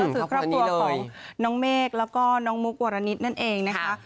ก็คือครอบครัวของน้องเมฆแล้วก็น้องมุกวรณิตนั่นเองนะคะ